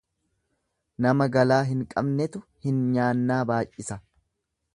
Nama galaa hin qabnetu hin nyaannaa baay'isa.